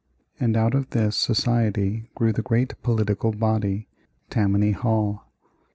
And out of this society grew the great political body Tammany Hall.